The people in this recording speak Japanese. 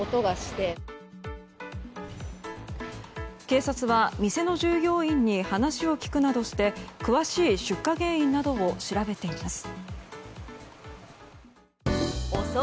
警察は、店の従業員に話を聞くなどして詳しい出火原因などを調べています。